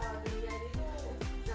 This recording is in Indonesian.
komunitas karbon biru merekomendasikan